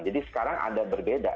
jadi sekarang ada berbeda